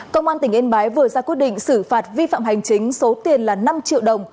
công an tỉnh yên bái vừa ra quyết định xử phạt vi phạm hành chính số tiền là năm triệu đồng